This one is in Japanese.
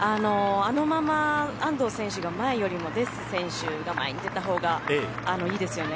あのまま安藤選手が前よりもデッセ選手が前に出たほうがいいですよね。